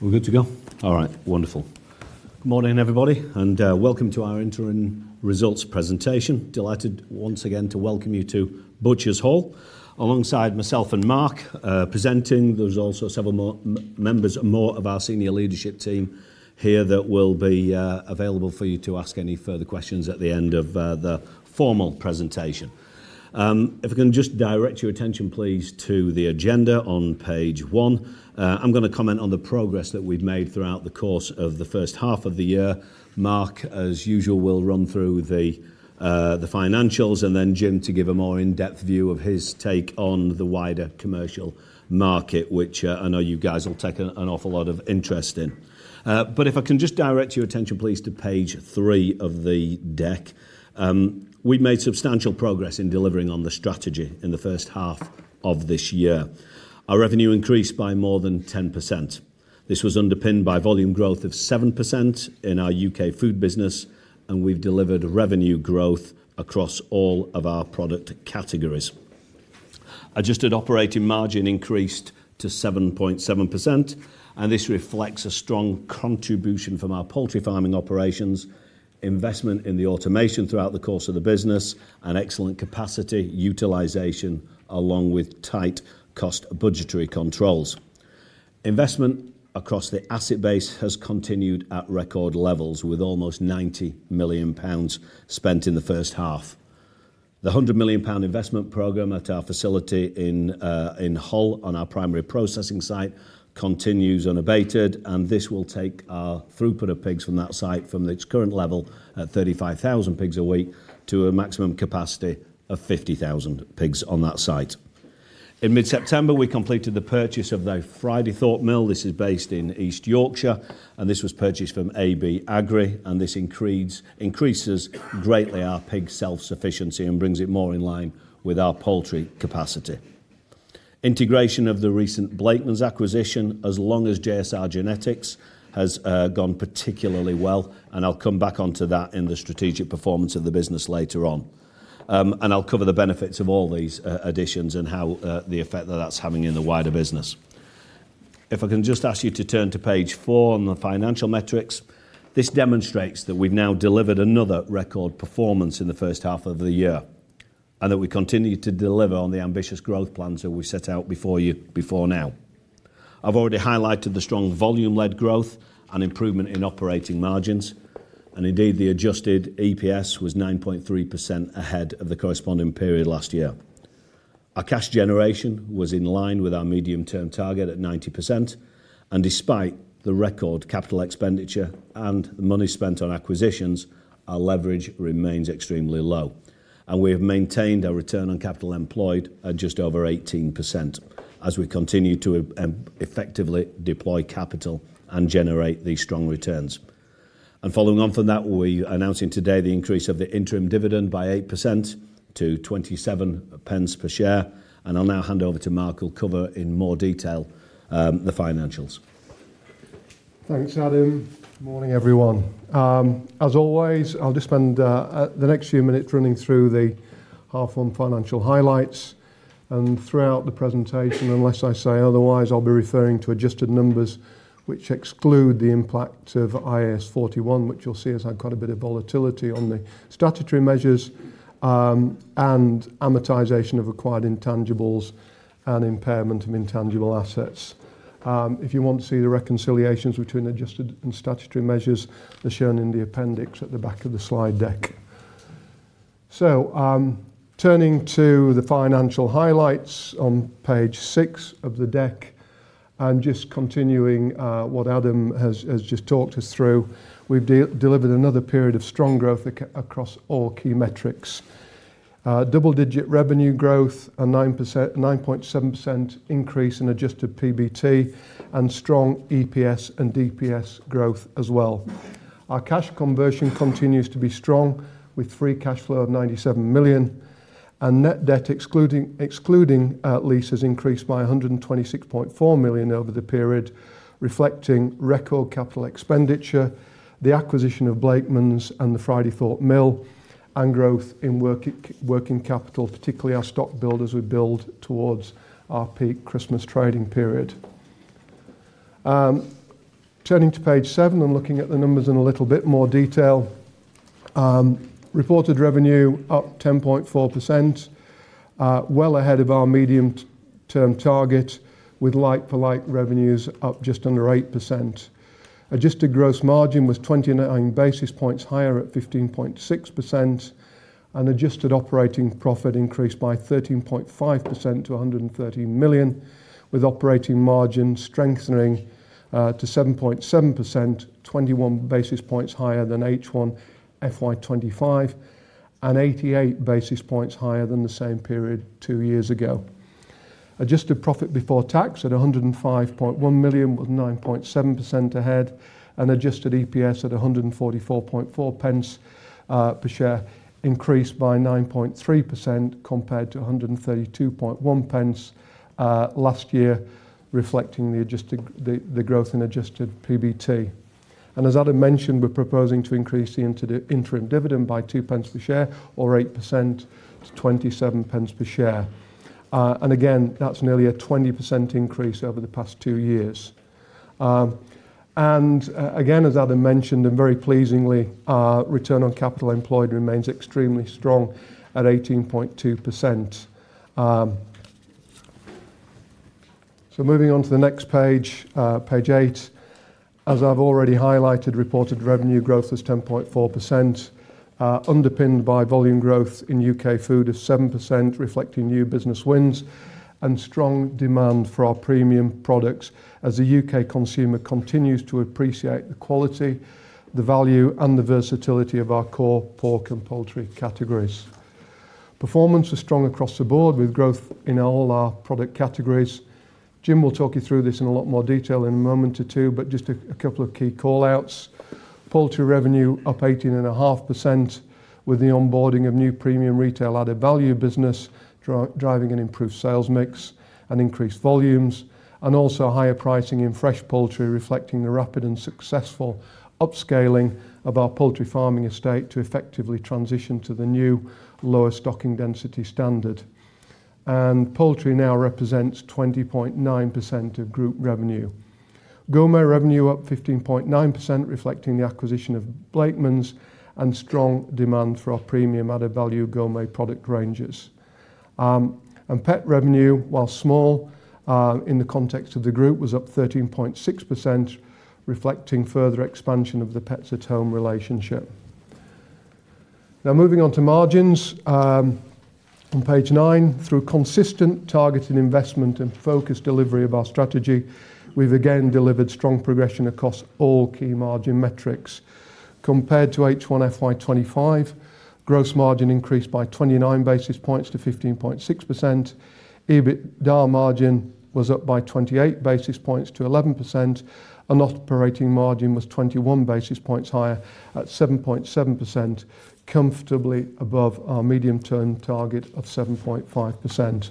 We're good to go. All right, wonderful. Good morning, everybody, and welcome to our Interim Results Presentation. Delighted once again to welcome you to Butchers Hall, alongside myself and Mark, presenting. There's also several more members and more of our senior leadership team here that will be available for you to ask any further questions at the end of the formal presentation. If I can just direct your attention, please, to the agenda on page one. I'm going to comment on the progress that we've made throughout the course of the first half of the year. Mark, as usual, will run through the financials, and then Jim to give a more in-depth view of his take on the wider commercial market, which I know you guys will take an awful lot of interest in. If I can just direct your attention, please, to page three of the deck. We've made substantial progress in delivering on the strategy in the first half of this year. Our revenue increased by more than 10%. This was underpinned by volume growth of 7% in our U.K. food business, and we've delivered revenue growth across all of our product categories. Adjusted operating margin increased to 7.7%, and this reflects a strong contribution from our poultry farming operations, investment in the automation throughout the course of the business, and excellent capacity utilization, along with tight cost budgetary controls. Investment across the asset base has continued at record levels, with almost 90 million pounds spent in the first half. The 100 million pound investment program at our facility in Hull, on our primary processing site, continues unabated, and this will take our throughput of pigs from that site, from its current level at 35,000 pigs a week, to a maximum capacity of 50,000 pigs on that site. In mid-September, we completed the purchase of the Fridaythorpe Mill. This is based in East Yorkshire, and this was purchased from AB Agri, and this increases greatly our pig self-sufficiency and brings it more in line with our poultry capacity. Integration of the recent Blakemans acquisition, as long as JSR Genetics, has gone particularly well, and I'll come back onto that in the strategic performance of the business later on. I'll cover the benefits of all these additions and how the effect that that's having in the wider business. If I can just ask you to turn to page four on the financial metrics, this demonstrates that we've now delivered another record performance in the first half of the year, and that we continue to deliver on the ambitious growth plans that we set out before you before now. I've already highlighted the strong volume-led growth and improvement in operating margins, and indeed, the adjusted EPS was 9.3% ahead of the corresponding period last year. Our cash generation was in line with our medium-term target at 90%, and despite the record capital expenditure and the money spent on acquisitions, our leverage remains extremely low, and we have maintained our return on capital employed at just over 18% as we continue to effectively deploy capital and generate these strong returns. Following on from that, we're announcing today the increase of the interim dividend by 8% to 0.27 per share, and I'll now hand over to Mark who'll cover in more detail the financials. Thanks, Adam. Good morning, everyone. As always, I'll just spend the next few minutes running through the half on financial highlights. Throughout the presentation, unless I say otherwise, I'll be referring to adjusted numbers, which exclude the impact of IAS 41, which you'll see has had quite a bit of volatility on the statutory measures and amortization of acquired intangibles and impairment of intangible assets. If you want to see the reconciliations between adjusted and statutory measures, they're shown in the appendix at the back of the slide deck. Turning to the financial highlights on page six of the deck, and just continuing what Adam has just talked us through, we've delivered another period of strong growth across all key metrics. Double-digit revenue growth, a 9.7% increase in adjusted PBT, and strong EPS and DPS growth as well. Our cash conversion continues to be strong, with free cash flow of 97 million, and net debt excluding leases increased by 126.4 million over the period, reflecting record capital expenditure, the acquisition of Blakemans and the Fridaythorpe Mill, and growth in working capital, particularly our stock build as we build towards our peak Christmas trading period. Turning to page seven and looking at the numbers in a little bit more detail, reported revenue up 10.4%, well ahead of our medium-term target, with like-for-like revenues up just under 8%. Adjusted gross margin was 29 basis points higher at 15.6%, and adjusted operating profit increased by 13.5% to 113 million, with operating margin strengthening to 7.7%, 21 basis points higher than H1 FY2025, and 88 basis points higher than the same period two years ago. Adjusted profit before tax at 105.1 million was 9.7% ahead, and adjusted EPS at 1.444 per share increased by 9.3% compared to 1.321 last year, reflecting the growth in adjusted PBT. As Adam mentioned, we're proposing to increase the interim dividend by 0.02 per share, or 8%, to 0.27 per share. That is nearly a 20% increase over the past two years. As Adam mentioned, and very pleasingly, our return on capital employed remains extremely strong at 18.2%. Moving on to the next page, page eight, as I've already highlighted, reported revenue growth was 10.4%, underpinned by volume growth in U.K. food of 7%, reflecting new business wins and strong demand for our premium products as the U.K. consumer continues to appreciate the quality, the value, and the versatility of our core pork and poultry categories. Performance is strong across the board with growth in all our product categories. Jim will talk you through this in a lot more detail in a moment or two, but just a couple of key callouts. Poultry revenue up 18.5% with the onboarding of new premium retail added value business, driving an improved sales mix and increased volumes, also higher pricing in fresh poultry, reflecting the rapid and successful upscaling of our poultry farming estate to effectively transition to the new lower stocking density standard. Poultry now represents 20.9% of group revenue. Gourmet revenue up 15.9%, reflecting the acquisition of Blakemans and strong demand for our premium added value gourmet product ranges. Pet revenue, while small in the context of the group, was up 13.6%, reflecting further expansion of the Pets at Home relationship. Now moving on to margins. On page nine, through consistent targeted investment and focused delivery of our strategy, we've again delivered strong progression across all key margin metrics. Compared to H1 FY2025, gross margin increased by 29 basis points to 15.6%. EBITDA margin was up by 28 basis points to 11%, and operating margin was 21 basis points higher at 7.7%, comfortably above our medium-term target of 7.5%.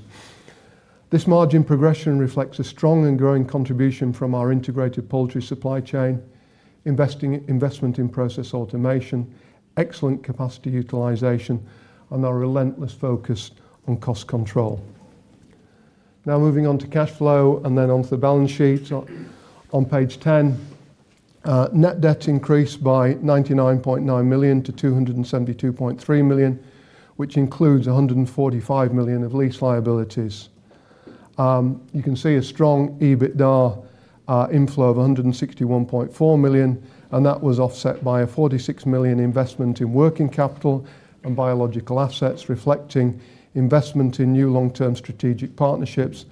This margin progression reflects a strong and growing contribution from our integrated poultry supply chain, investment in process automation, excellent capacity utilization, and our relentless focus on cost control. Now moving on to cash flow and then onto the balance sheet. On page ten, net debt increased by 99.9 million to 272.3 million, which includes 145 million of lease liabilities. You can see a strong EBITDA inflow of 161.4 million, and that was offset by a 46 million investment in working capital and biological assets, reflecting investment in new long-term strategic partnerships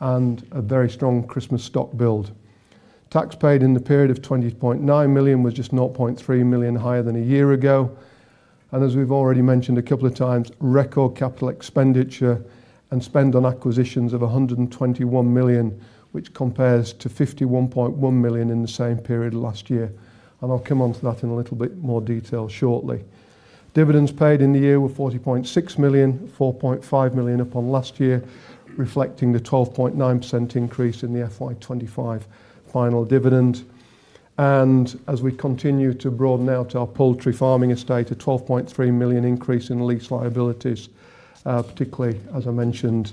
and a very strong Christmas stock build. Tax paid in the period of 20.9 million was just 0.3 million higher than a year ago. As we have already mentioned a couple of times, record capital expenditure and spend on acquisitions of 121 million, which compares to 51.1 million in the same period last year. I will come on to that in a little bit more detail shortly. Dividends paid in the year were 40.6 million, 4.5 million up on last year, reflecting the 12.9% increase in the FY2025 final dividend. As we continue to broaden out our poultry farming estate, a 12.3 million increase in lease liabilities, particularly, as I mentioned,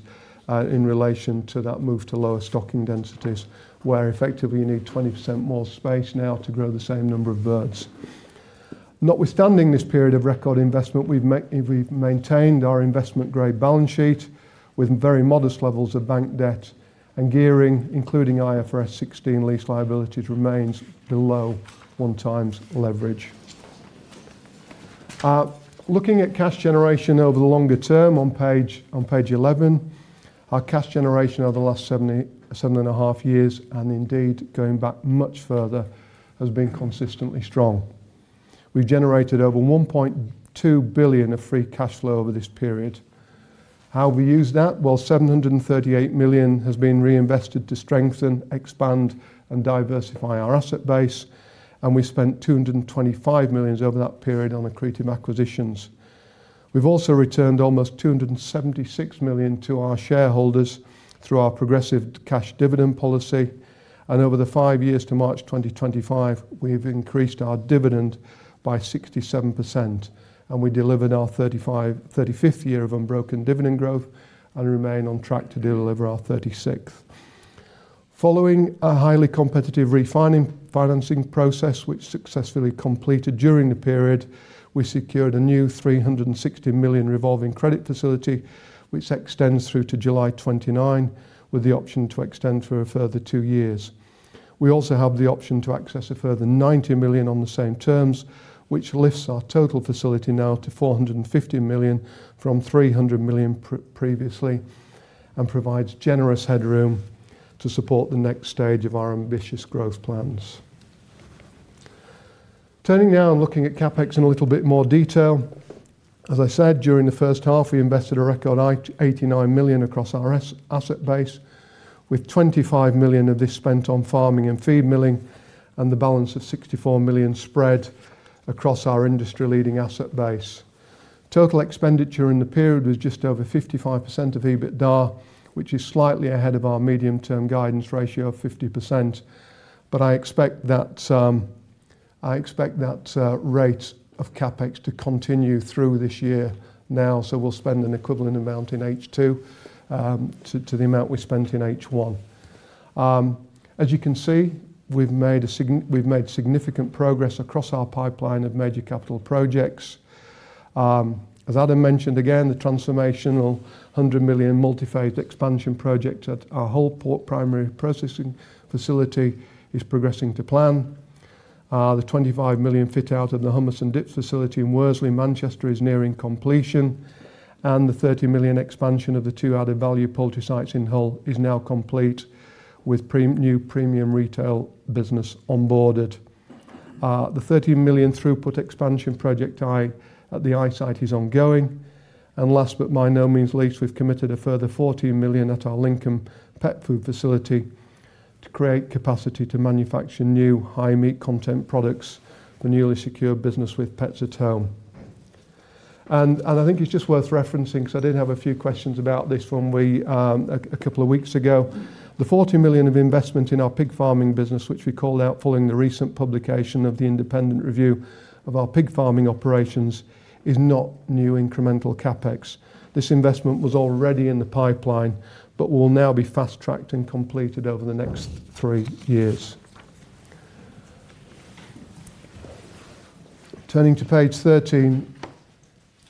in relation to that move to lower stocking densities, where effectively you need 20% more space now to grow the same number of birds. Notwithstanding this period of record investment, we have maintained our investment-grade balance sheet with very modest levels of bank debt, and gearing, including IFRS 16 lease liabilities, remains below one-time leverage. Looking at cash generation over the longer term, on page 11, our cash generation over the last seven and a half years, and indeed going back much further, has been consistently strong. We have generated over 1.2 billion of free cash flow over this period. How have we used that? 738 million has been reinvested to strengthen, expand, and diversify our asset base, and we spent 225 million over that period on accretive acquisitions. We've also returned almost 276 million to our shareholders through our progressive cash dividend policy, and over the five years to March 2025, we've increased our dividend by 67%, and we delivered our 35th year of unbroken dividend growth and remain on track to deliver our 36th. Following a highly competitive refinancing process, which successfully completed during the period, we secured a new 360 million revolving credit facility, which extends through to July 2029, with the option to extend for a further two years. We also have the option to access a further 90 million on the same terms, which lifts our total facility now to 450 million from 300 million previously, and provides generous headroom to support the next stage of our ambitious growth plans. Turning now and looking at CapEx in a little bit more detail. As I said, during the first half, we invested a record 89 million across our asset base, with 25 million of this spent on farming and feed milling, and the balance of 64 million spread across our industry-leading asset base. Total expenditure in the period was just over 55% of EBITDA, which is slightly ahead of our medium-term guidance ratio of 50%, but I expect that rate of CapEx to continue through this year now, so we'll spend an equivalent amount in H2 to the amount we spent in H1. As you can see, we've made significant progress across our pipeline of major capital projects. As Adam mentioned again, the transformational 100 million multi-phased expansion project at our Hull primary processing facility is progressing to plan. The 25 million fit-out of the houmous and dip facility in Worsley, Manchester, is nearing completion, and the 30 million expansion of the two added value poultry sites in Hull is now complete with new premium retail business onboarded. The 30 million throughput expansion project at the Eye site is ongoing, and last but by no means least, we have committed a further 14 million at our Lincoln pet food facility to create capacity to manufacture new high meat content products, the newly secured business with Pets at Home. I think it is just worth referencing because I did have a few questions about this one a couple of weeks ago. The 40 million of investment in our pig farming business, which we called out following the recent publication of the independent review of our pig farming operations, is not new incremental CapEx. This investment was already in the pipeline, but will now be fast-tracked and completed over the next three years. Turning to page 13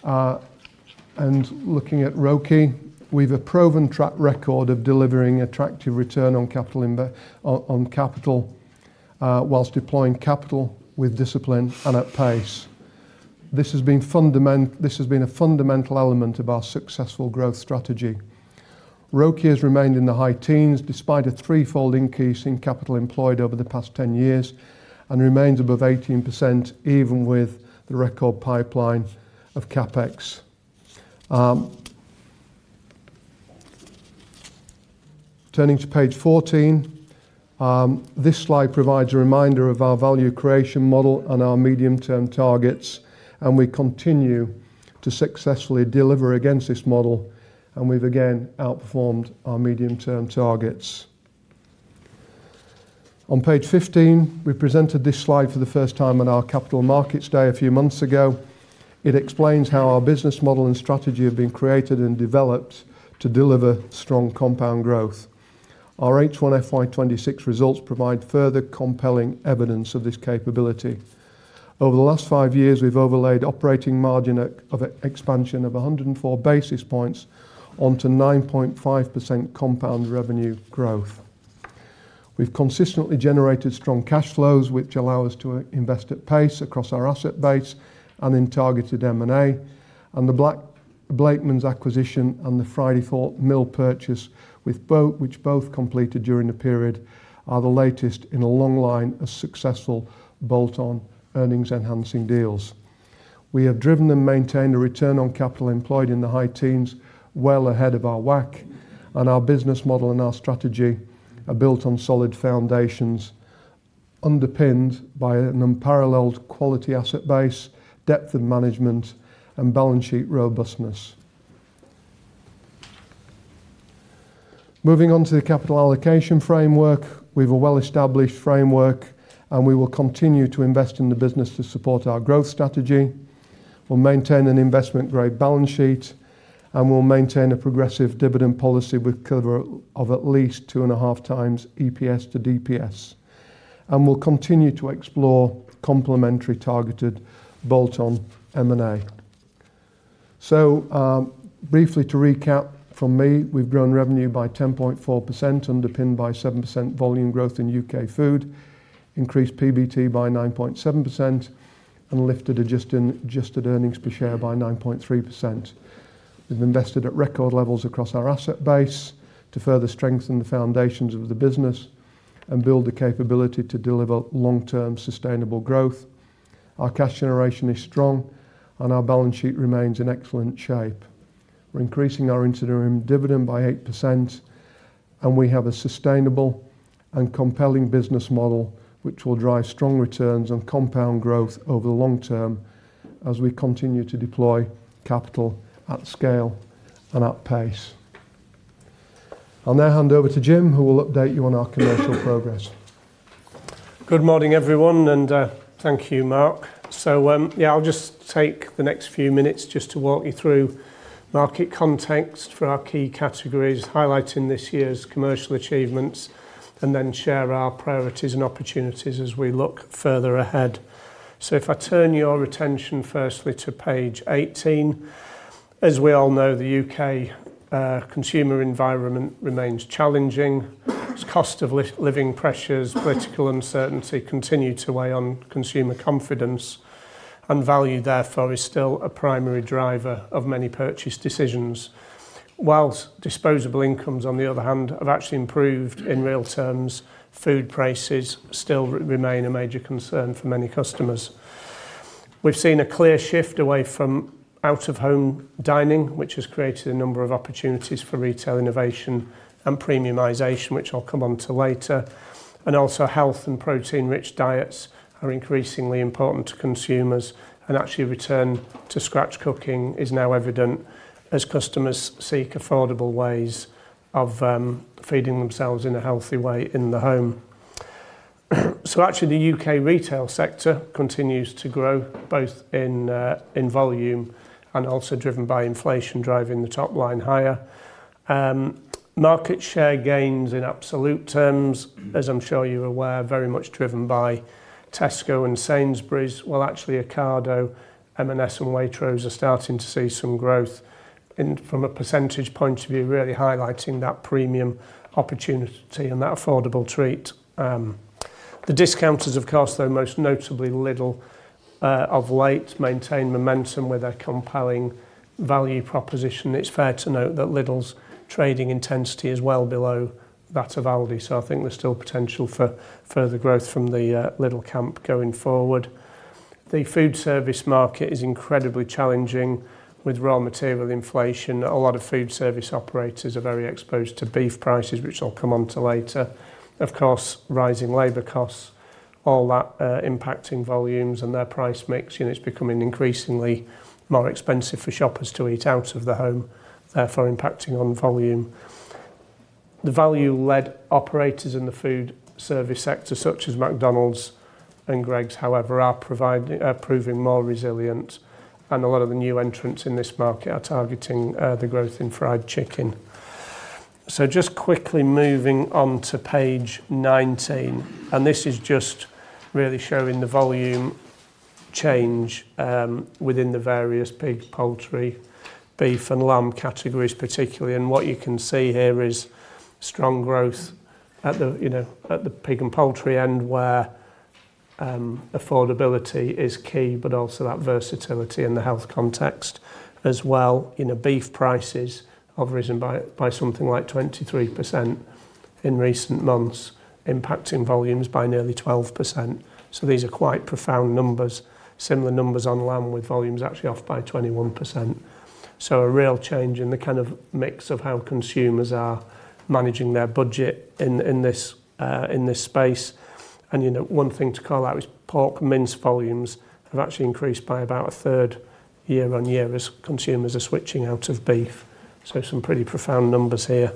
and looking at ROCE, we've a proven track record of delivering attractive return on capital whilst deploying capital with discipline and at pace. This has been a fundamental element of our successful growth strategy. ROCE has remained in the high teens despite a threefold increase in capital employed over the past ten years and remains above 18% even with the record pipeline of CapEx. Turning to page 14, this slide provides a reminder of our value creation model and our medium-term targets, and we continue to successfully deliver against this model, and we've again outperformed our medium-term targets. On page 15, we presented this slide for the first time on our Capital Markets Day a few months ago. It explains how our business model and strategy have been created and developed to deliver strong compound growth. Our H1 FY26 results provide further compelling evidence of this capability. Over the last five years, we've overlaid operating margin of expansion of 104 basis points onto 9.5% compound revenue growth. We've consistently generated strong cash flows, which allow us to invest at pace across our asset base and in targeted M&A, and the Blakemans acquisition and the Fridaythorpe Mill purchase, which both completed during the period, are the latest in a long line of successful bolt-on earnings-enhancing deals. We have driven and maintained a return on capital employed in the high teens well ahead of our WACC, and our business model and our strategy are built on solid foundations underpinned by an unparalleled quality asset base, depth of management, and balance sheet robustness. Moving on to the capital allocation framework, we have a well-established framework, and we will continue to invest in the business to support our growth strategy. We'll maintain an investment-grade balance sheet, and we'll maintain a progressive dividend policy with cover of at least 2.5x EPS to DPS, and we'll continue to explore complementary targeted bolt-on M&A. Briefly to recap from me, we've grown revenue by 10.4%, underpinned by 7% volume growth in U.K. food, increased PBT by 9.7%, and lifted adjusted earnings per share by 9.3%. We've invested at record levels across our asset base to further strengthen the foundations of the business and build the capability to deliver long-term sustainable growth. Our cash generation is strong, and our balance sheet remains in excellent shape. We're increasing our interim dividend by 8%, and we have a sustainable and compelling business model which will drive strong returns and compound growth over the long term as we continue to deploy capital at scale and at pace. I'll now hand over to Jim, who will update you on our commercial progress. Good morning, everyone, and thank you, Mark. Yeah, I'll just take the next few minutes just to walk you through market context for our key categories, highlighting this year's commercial achievements, and then share our priorities and opportunities as we look further ahead. If I turn your attention firstly to page 18, as we all know, the U.K. consumer environment remains challenging. Cost of living pressures, political uncertainty continue to weigh on consumer confidence, and value therefore is still a primary driver of many purchase decisions. Whilst disposable incomes, on the other hand, have actually improved in real terms, food prices still remain a major concern for many customers. We've seen a clear shift away from out-of-home dining, which has created a number of opportunities for retail innovation and premiumization, which I'll come on to later, and also health and protein-rich diets are increasingly important to consumers, and actually return to scratch cooking is now evident as customers seek affordable ways of feeding themselves in a healthy way in the home. Actually, the U.K. retail sector continues to grow both in volume and also driven by inflation driving the top line higher. Market share gains in absolute terms, as I'm sure you're aware, very much driven by Tesco and Sainsbury's, while actually Ocado, M&S, and Waitrose are starting to see some growth from a percentage point of view, really highlighting that premium opportunity and that affordable treat. The discounters, of course, though most notably LIDL of late, maintain momentum with a compelling value proposition. It's fair to note that LIDL's trading intensity is well below that of ALDI, so I think there's still potential for further growth from the LIDL camp going forward. The food service market is incredibly challenging with raw material inflation. A lot of food service operators are very exposed to beef prices, which I'll come on to later. Of course, rising labor costs, all that impacting volumes and their price mix, and it's becoming increasingly more expensive for shoppers to eat out of the home, therefore impacting on volume. The value-led operators in the food service sector, such as McDonald's and Greggs, however, are proving more resilient, and a lot of the new entrants in this market are targeting the growth in fried chicken. Just quickly moving on to page 19, and this is just really showing the volume change within the various pig, poultry, beef, and lamb categories particularly, and what you can see here is strong growth at the pig and poultry end where affordability is key, but also that versatility in the health context as well. Beef prices have risen by something like 23% in recent months, impacting volumes by nearly 12%. These are quite profound numbers. Similar numbers on lamb with volumes actually off by 21%. A real change in the kind of mix of how consumers are managing their budget in this space. One thing to call out is pork mince volumes have actually increased by about a third year on year as consumers are switching out of beef. Some pretty profound numbers here.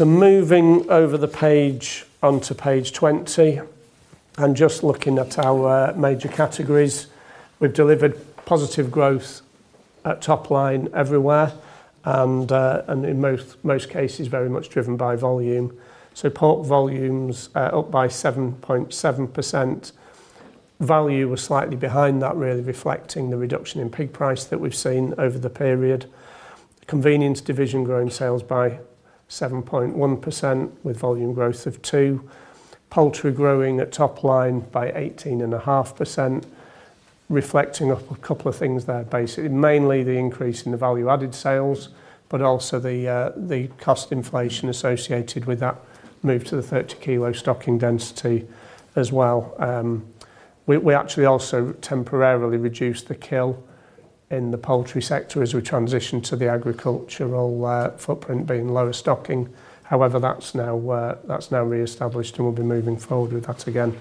Moving over the page onto page 20 and just looking at our major categories, we've delivered positive growth at top line everywhere and in most cases very much driven by volume. Pork volumes up by 7.7%. Value was slightly behind that, really reflecting the reduction in pig price that we've seen over the period. Convenience division growing sales by 7.1% with volume growth of two. Poultry growing at top line by 18.5%, reflecting a couple of things there basically, mainly the increase in the value-added sales, but also the cost inflation associated with that move to the 30-kilo stocking density as well. We actually also temporarily reduced the kill in the poultry sector as we transitioned to the agricultural footprint being lower stocking. However, that's now reestablished and we'll be moving forward with that again.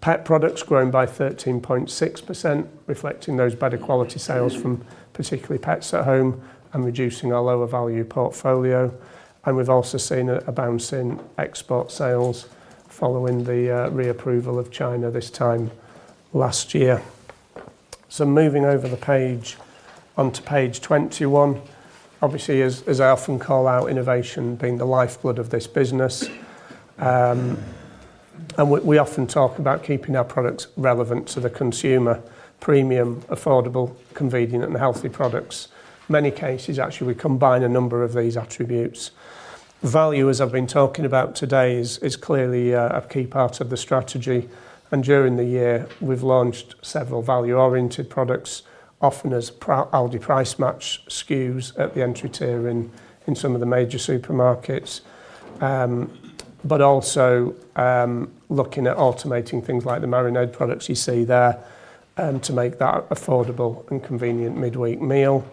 Pet products growing by 13.6%, reflecting those better quality sales from particularly Pets at Home and reducing our lower value portfolio. We have also seen a bounce in export sales following the reapproval of China this time last year. Moving over the page onto page 21, obviously, as I often call out, innovation being the lifeblood of this business. We often talk about keeping our products relevant to the consumer: premium, affordable, convenient, and healthy products. many cases, actually, we combine a number of these attributes. Value, as I've been talking about today, is clearly a key part of the strategy. During the year, we've launched several value-oriented products, often as ALDI price match SKUs at the entry tier in some of the major supermarkets, but also looking at automating things like the marinade products you see there to make that affordable and convenient midweek meal.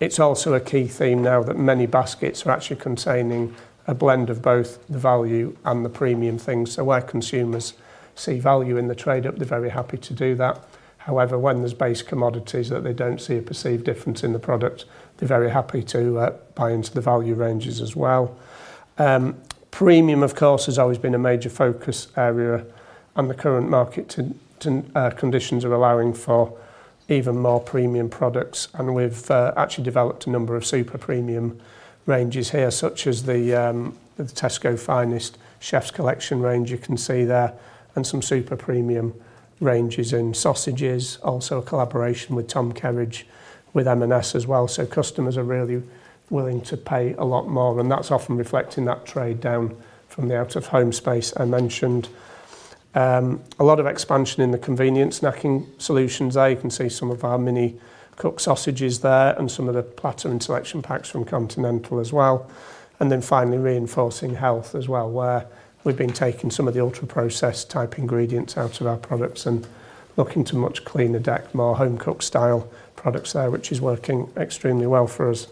It's also a key theme now that many baskets are actually containing a blend of both the value and the premium things. Where consumers see value in the trade-up, they're very happy to do that. However, when there's base commodities that they don't see a perceived difference in the product, they're very happy to buy into the value ranges as well. Premium, of course, has always been a major focus area, and the current market conditions are allowing for even more premium products. We've actually developed a number of super premium ranges here, such as the Tesco Finest Chef's Collection range you can see there, and some super premium ranges in sausages, also a collaboration with Tom Kerridge with M&S as well. Customers are really willing to pay a lot more, and that's often reflecting that trade down from the out-of-home space I mentioned. A lot of expansion in the convenience snacking solutions. There you can see some of our mini cooked sausages there and some of the platter and selection packs from Continental as well. Finally, reinforcing health as well, where we've been taking some of the ultra-processed type ingredients out of our products and looking to much cleaner deck, more home-cooked style products there, which is working extremely well for us.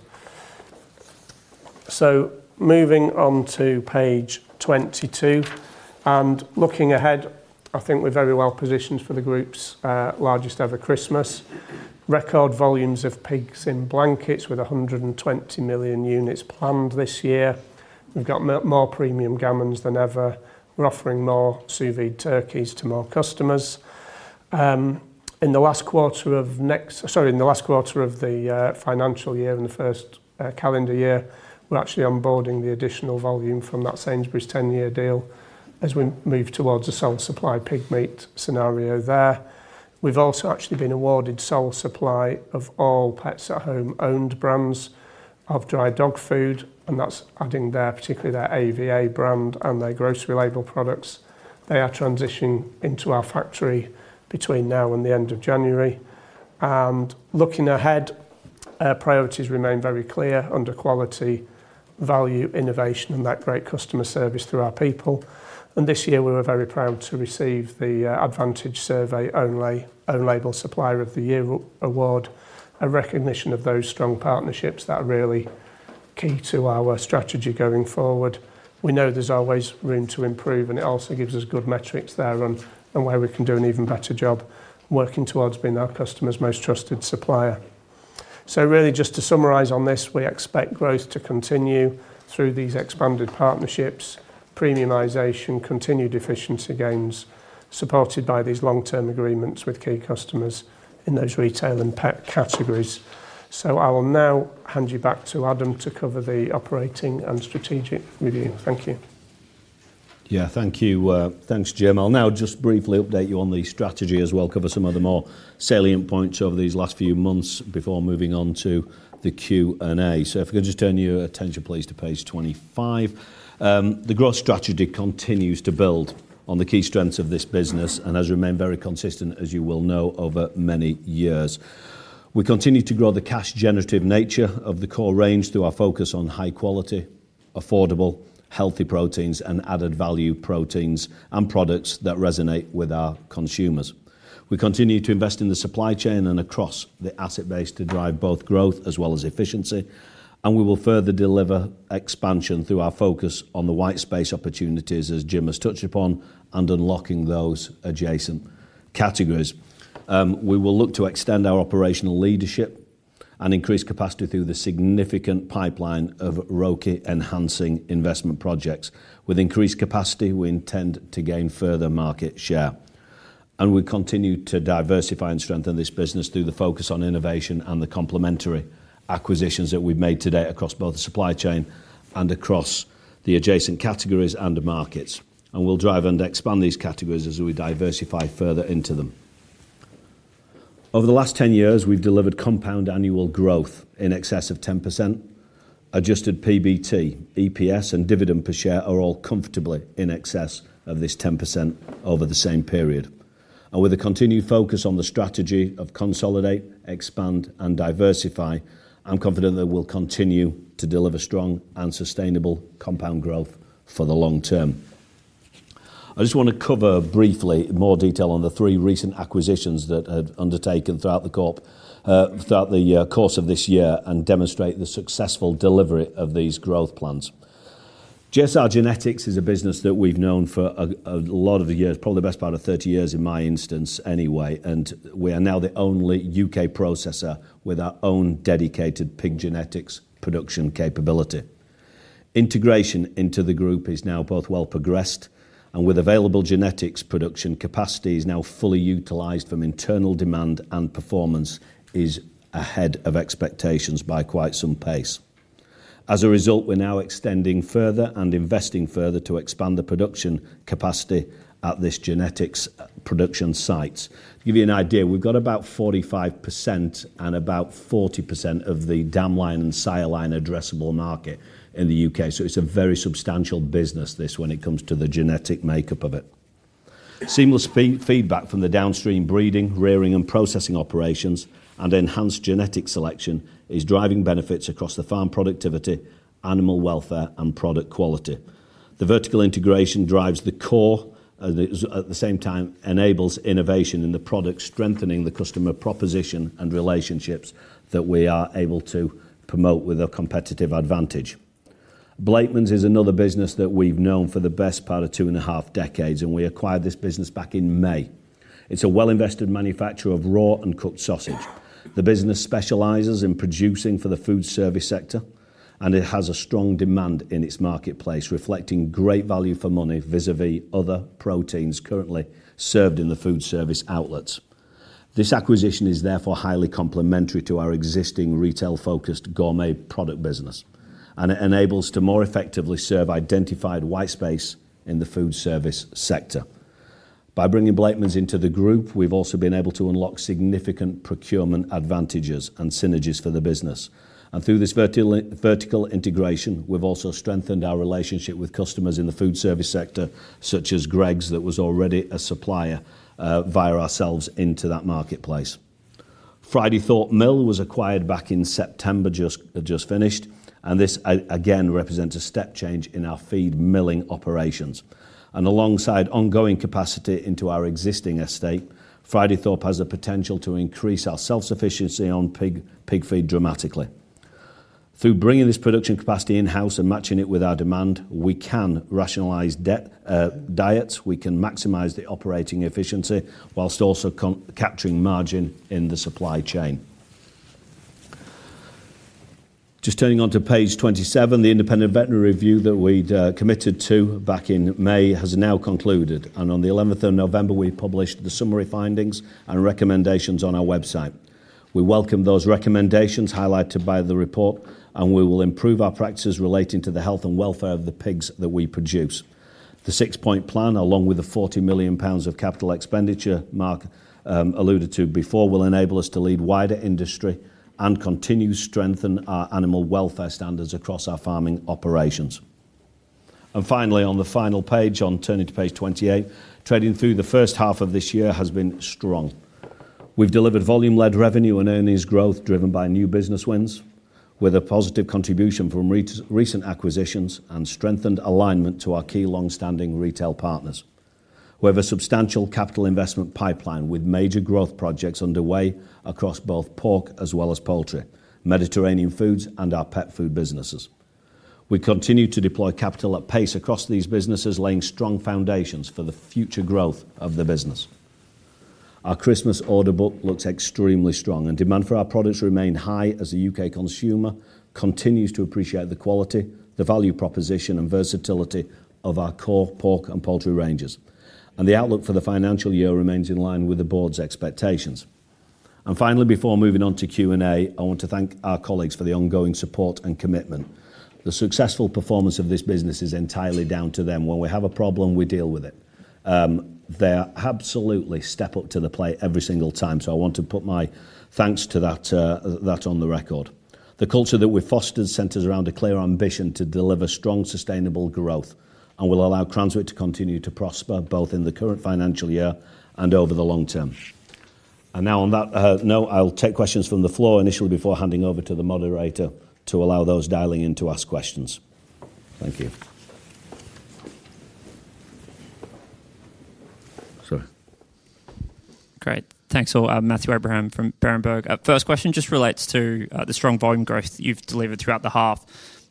Moving on to page 22 and looking ahead, I think we're very well positioned for the group's largest ever Christmas. Record volumes of pigs in blankets with 120 million units planned this year. We've got more premium gammons than ever. We're offering more sous-vide turkeys to more customers. In the last quarter of next, sorry, in the last quarter of the financial year and the first calendar year, we're actually onboarding the additional volume from that Sainsbury's 10-year deal as we move towards a sole supply pig meat scenario there. We've also actually been awarded sole supply of all Pets at Home owned brands of dry dog food, and that's adding there, particularly their AVA brand and their grocery label products. They are transitioning into our factory between now and the end of January. Looking ahead, priorities remain very clear under quality, value, innovation, and that great customer service through our people. This year, we were very proud to receive the Advantage Survey Only Own Label Supplier of the Year award, a recognition of those strong partnerships that are really key to our strategy going forward. We know there's always room to improve, and it also gives us good metrics there on where we can do an even better job working towards being our customer's most trusted supplier. Really, just to summarize on this, we expect growth to continue through these expanded partnerships, premiumization, continued efficiency gains supported by these long-term agreements with key customers in those retail and pet categories. I will now hand you back to Adam to cover the operating and strategic review. Thank you. Yeah, thank you. Thanks, Jim. I'll now just briefly update you on the strategy as well, cover some of the more salient points over these last few months before moving on to the Q&A. If I could just turn your attention, please, to page 25. The growth strategy continues to build on the key strengths of this business and has remained very consistent, as you will know, over many years. We continue to grow the cash-generative nature of the core range through our focus on high-quality, affordable, healthy proteins and added value proteins and products that resonate with our consumers. We continue to invest in the supply chain and across the asset base to drive both growth as well as efficiency. We will further deliver expansion through our focus on the white space opportunities, as Jim has touched upon, and unlocking those adjacent categories. We will look to extend our operational leadership and increase capacity through the significant pipeline of ROI enhancing investment projects. With increased capacity, we intend to gain further market share. We continue to diversify and strengthen this business through the focus on innovation and the complementary acquisitions that we've made today across both the supply chain and across the adjacent categories and markets. We will drive and expand these categories as we diversify further into them. Over the last 10 years, we have delivered compound annual growth in excess of 10%. Adjusted PBT, EPS, and dividend per share are all comfortably in excess of this 10% over the same period. With the continued focus on the strategy of consolidate, expand, and diversify, I am confident that we will continue to deliver strong and sustainable compound growth for the long term. I just want to cover briefly in more detail the three recent acquisitions that we have undertaken throughout the course of this year and demonstrate the successful delivery of these growth plans. JSR Genetics is a business that we have known for a lot of years, probably the best part of 30 years in my instance anyway, and we are now the only U.K. processor with our own dedicated pig genetics production capability. Integration into the group is now both well progressed, and with available genetics production capacity is now fully utilized from internal demand and performance is ahead of expectations by quite some pace. As a result, we're now extending further and investing further to expand the production capacity at this genetics production sites. To give you an idea, we've got about 45% and about 40% of the dam line and sire line addressable market in the U.K. It is a very substantial business this when it comes to the genetic makeup of it. Seamless feedback from the downstream breeding, rearing, and processing operations and enhanced genetic selection is driving benefits across the farm productivity, animal welfare, and product quality. The vertical integration drives the core and at the same time enables innovation in the product, strengthening the customer proposition and relationships that we are able to promote with a competitive advantage. Blakemans is another business that we've known for the best part of two and a half decades, and we acquired this business back in May. It's a well-invested manufacturer of raw and cooked sausage. The business specialises in producing for the food service sector, and it has a strong demand in its marketplace, reflecting great value for money vis-à-vis other proteins currently served in the food service outlets. This acquisition is therefore highly complementary to our existing retail-focused gourmet product business, and it enables us to more effectively serve identified white space in the food service sector. By bringing Blakemans into the group, we've also been able to unlock significant procurement advantages and synergies for the business. Through this vertical integration, we've also strengthened our relationship with customers in the food service sector, such as Greggs, that was already a supplier via ourselves into that marketplace. Fridaythorpe Mill was acquired back in September, just finished, and this again represents a step change in our feed milling operations. Alongside ongoing capacity into our existing estate, Fridaythorpe has the potential to increase our self-sufficiency on pig feed dramatically. Through bringing this production capacity in-house and matching it with our demand, we can rationalize diets, we can maximize the operating efficiency whilst also capturing margin in the supply chain. Turning on to page 27, the independent veterinary review that we had committed to back in May has now concluded. On the 11th of November, we published the summary findings and recommendations on our website. We welcome those recommendations highlighted by the report, and we will improve our practices relating to the health and welfare of the pigs that we produce. The six-point plan, along with the 40 million pounds of capital expenditure Mark alluded to before, will enable us to lead wider industry and continue to strengthen our animal welfare standards across our farming operations. Finally, on the final page, on turning to page 28, trading through the first half of this year has been strong. We've delivered volume-led revenue and earnings growth driven by new business wins with a positive contribution from recent acquisitions and strengthened alignment to our key long-standing retail partners. We have a substantial capital investment pipeline with major growth projects underway across both pork as well as poultry, Mediterranean foods, and our pet food businesses. We continue to deploy capital at pace across these businesses, laying strong foundations for the future growth of the business. Our Christmas order book looks extremely strong, and demand for our products remains high as the U.K. consumer continues to appreciate the quality, the value proposition, and versatility of our core pork and poultry ranges. The outlook for the financial year remains in line with the board's expectations. Finally, before moving on to Q&A, I want to thank our colleagues for the ongoing support and commitment. The successful performance of this business is entirely down to them. When we have a problem, we deal with it. They absolutely step up to the plate every single time, so I want to put my thanks to that on the record. The culture that we've fostered centers around a clear ambition to deliver strong, sustainable growth and will allow Cranswick to continue to prosper both in the current financial year and over the long term. Now, on that note, I'll take questions from the floor initially before handing over to the moderator to allow those dialing in to ask questions. Thank you. Sorry. Great. Thanks. Matthew Abraham from Barenberg. First question just relates to the strong volume growth you've delivered throughout the half.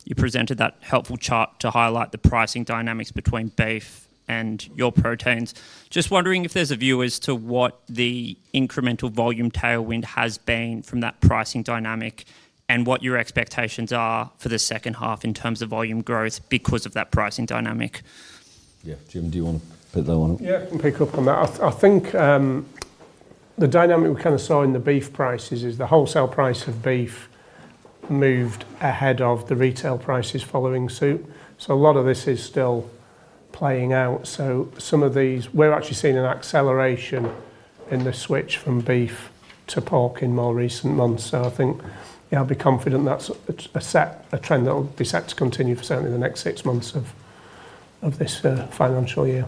You presented that helpful chart to highlight the pricing dynamics between beef and your proteins. Just wondering if there's a view as to what the incremental volume tailwind has been from that pricing dynamic and what your expectations are for the second half in terms of volume growth because of that pricing dynamic. Yeah, Jim, do you want to pick that one up? Yeah, I can pick up on that. I think the dynamic we kind of saw in the beef prices is the wholesale price of beef moved ahead of the retail prices following suit. A lot of this is still playing out. Some of these, we're actually seeing an acceleration in the switch from beef to pork in more recent months. I think, yeah, I'll be confident that's a trend that will be set to continue for certainly the next six months of this financial year.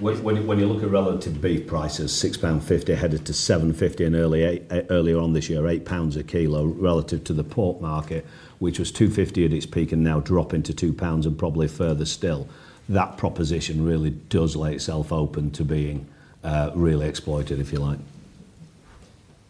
When you look at relative beef prices, 6.50 pound headed to 7.50 earlier on this year, 8 pounds a kilo relative to the pork market, which was 2.50 at its peak and now dropping to 2 pounds and probably further still. That proposition really does lay itself open to being really exploited, if you like.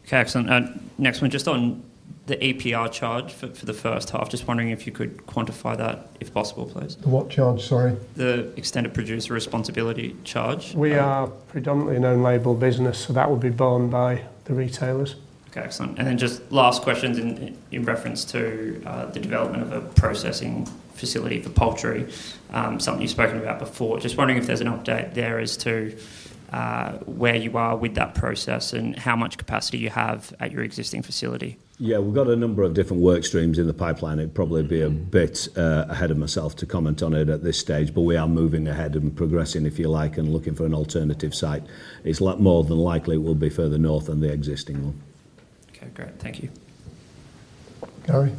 Okay, excellent. Next one, just on the APR charge for the first half, just wondering if you could quantify that, if possible, please. What charge, sorry? The extended producer responsibility charge. We are predominantly an own-label business, so that would be borne by the retailers. Okay, excellent. Just last questions in reference to the development of a processing facility for poultry, something you've spoken about before. Just wondering if there's an update there as to where you are with that process and how much capacity you have at your existing facility. Yeah, we've got a number of different work streams in the pipeline. It'd probably be a bit ahead of myself to comment on it at this stage, but we are moving ahead and progressing, if you like, and looking for an alternative site. It's more than likely it will be further north than the existing one. Okay, great. Thank you. Gary.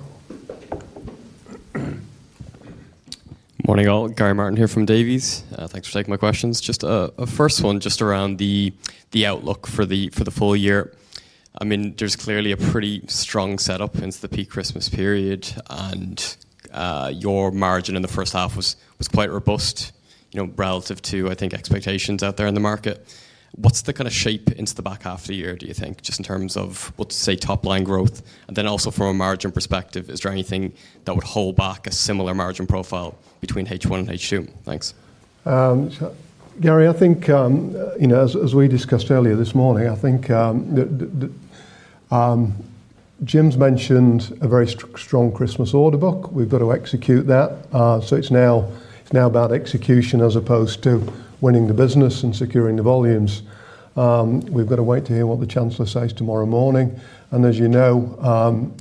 Morning all. Gary Martin here from Davies. Thanks for taking my questions. Just a first one just around the outlook for the full year. I mean, there's clearly a pretty strong setup into the peak Christmas period, and your margin in the first half was quite robust relative to, I think, expectations out there in the market. What's the kind of shape into the back half of the year, do you think, just in terms of, let's say, top-line growth? Then also from a margin perspective, is there anything that would hold back a similar margin profile between H1 and H2? Thanks. Gary, I think, as we discussed earlier this morning, I think Jim's mentioned a very strong Christmas order book. We've got to execute that. It is now about execution as opposed to winning the business and securing the volumes. We've got to wait to hear what the Chancellor says tomorrow morning. As you know,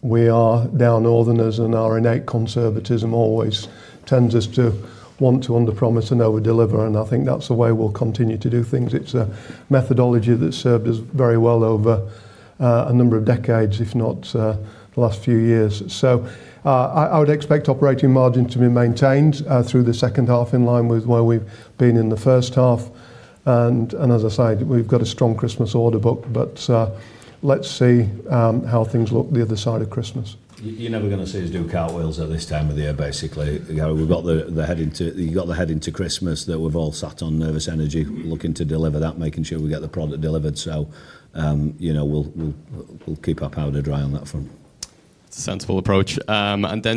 we are down northerners, and our innate conservatism always tends us to want to underpromise and overdeliver. I think that's the way we'll continue to do things. It's a methodology that's served us very well over a number of decades, if not the last few years. I would expect operating margin to be maintained through the second half in line with where we've been in the first half. As I say, we've got a strong Christmas order book, but let's see how things look the other side of Christmas. You're never going to see us do cartwheels at this time of the year, basically. We've got the head into Christmas that we've all sat on nervous energy, looking to deliver that, making sure we get the product delivered. We'll keep our powder dry on that front. It's a sensible approach.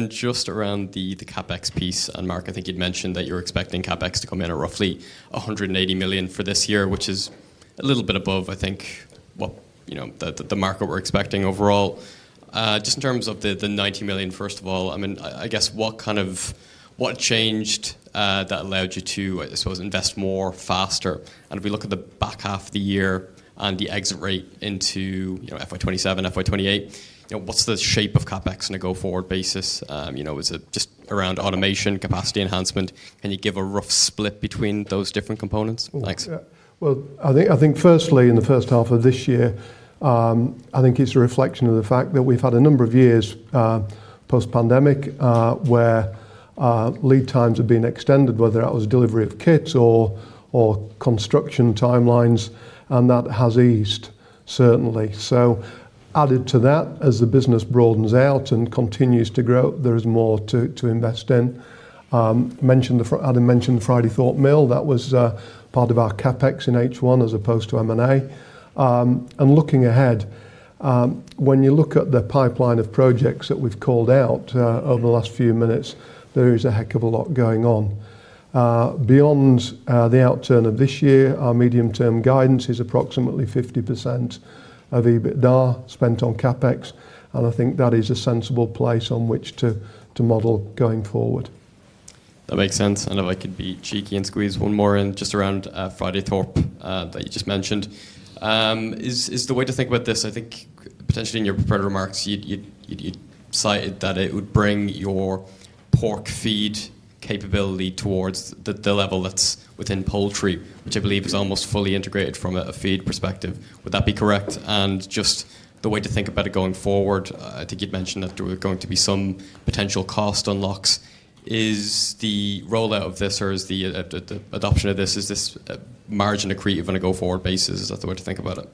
Just around the CapEx piece, and Mark, I think you'd mentioned that you're expecting CapEx to come in at roughly 180 million for this year, which is a little bit above, I think, the market were expecting overall. Just in terms of the 90 million, first of all, I mean, I guess what changed that allowed you to, I suppose, invest more faster? If we look at the back half of the year and the exit rate into FY2027, FY2028, what's the shape of CapEx on a go-forward basis? Is it just around automation, capacity enhancement? Can you give a rough split between those different components? Thanks. I think firstly, in the first half of this year, I think it's a reflection of the fact that we've had a number of years post-pandemic where lead times have been extended, whether that was delivery of kits or construction timelines, and that has eased, certainly. Added to that, as the business broadens out and continues to grow, there is more to invest in. I didn't mention Fridaythorpe Mill. That was part of our CapEx in H1 as opposed to M&A. Looking ahead, when you look at the pipeline of projects that we've called out over the last few minutes, there is a heck of a lot going on. Beyond the outturn of this year, our medium-term guidance is approximately 50% of EBITDA spent on CapEx, and I think that is a sensible place on which to model going forward. That makes sense. I know I could be cheeky and squeeze one more in just around Fridaythorpe that you just mentioned. Is the way to think about this, I think, potentially in your prepared remarks, you cited that it would bring your pork feed capability towards the level that's within poultry, which I believe is almost fully integrated from a feed perspective. Would that be correct? Just the way to think about it going forward, I think you'd mentioned that there were going to be some potential cost unlocks. Is the rollout of this or the adoption of this, is this margin accretive on a go-forward basis? Is that the way to think about it?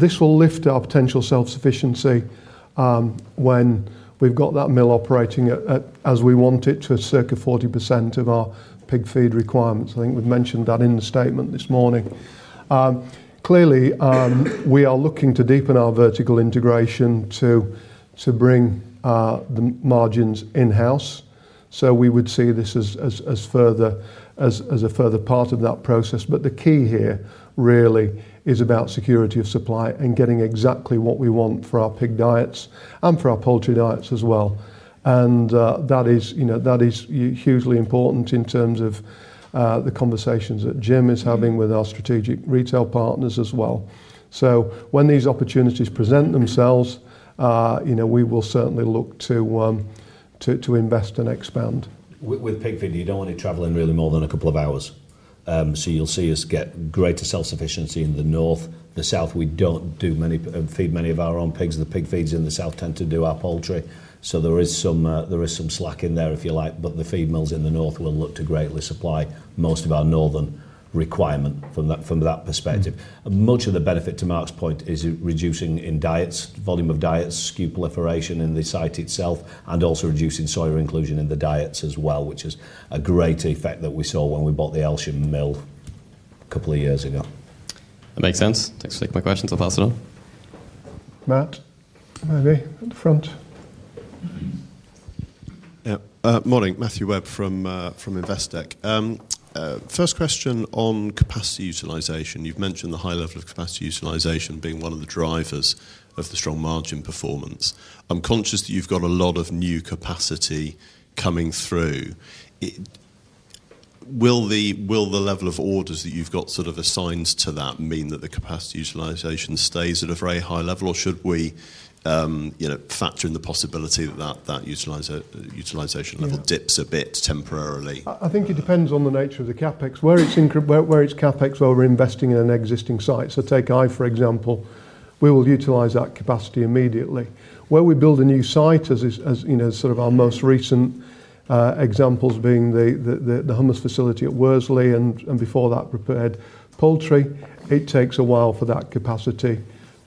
This will lift our potential self-sufficiency when we've got that mill operating as we want it to circa 40% of our pig feed requirements. I think we've mentioned that in the statement this morning. Clearly, we are looking to deepen our vertical integration to bring the margins in-house. We would see this as a further part of that process. The key here really is about security of supply and getting exactly what we want for our pig diets and for our poultry diets as well. That is hugely important in terms of the conversations that Jim is having with our strategic retail partners as well. When these opportunities present themselves, we will certainly look to invest and expand. With pig feed, you do not want it traveling really more than a couple of hours. You will see us get greater self-sufficiency in the north. In the south, we do not feed many of our own pigs. The pig feeds in the south tend to do our poultry. There is some slack in there, if you like, but the feed mills in the north will look to greatly supply most of our northern requirement from that perspective. Much of the benefit, to Mark's point, is reducing in volume of diets, skew proliferation in the site itself, and also reducing soy inclusion in the diets as well, which is a great effect that we saw when we bought the Elsham mill a couple of years ago. That makes sense. Thanks for taking my questions. I'll pass it on. Matt, maybe at the front. Morning, Matthew Webb from Investec. First question on capacity utilisation. You've mentioned the high level of capacity utilisation being one of the drivers of the strong margin performance. I'm conscious that you've got a lot of new capacity coming through. Will the level of orders that you've got sort of assigned to that mean that the capacity utilization stays at a very high level, or should we factor in the possibility that that utilization level dips a bit temporarily? I think it depends on the nature of the CapEx. Where it's CapEx, well, we're investing in an existing site. So take Eye, for example, we will utilize that capacity immediately. Where we build a new site, as sort of our most recent examples being the hummus facility at Worsley and before that prepared poultry, it takes a while for that capacity to